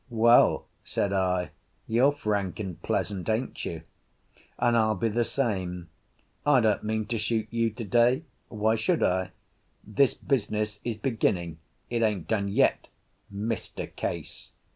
"Well," said I, "You're frank and pleasant, ain't you? And I'll be the same. I don't mean to shoot you to day. Why should I? This business is beginning; it ain't done yet, Mr. Case.